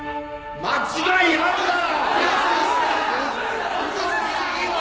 間違いあるだろ！